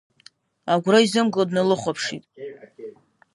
Агәра изымго дналыхәаԥшит.